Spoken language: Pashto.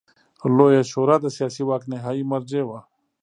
لویه شورا د سیاسي واک نهايي مرجع وه.